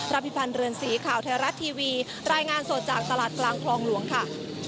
พิพันธ์เรือนสีข่าวไทยรัฐทีวีรายงานสดจากตลาดกลางคลองหลวงค่ะ